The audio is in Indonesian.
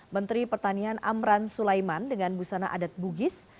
menteri pertanian amran sulaiman dengan busana adat bugis